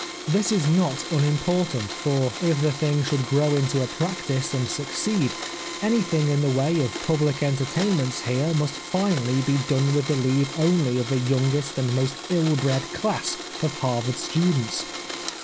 This is not unimportant, for if the thing should grow into a practice and succeed, anything in the way of public enter tainments here must finally be done with the leave only of the youngest and most ill bred class of Harvard students.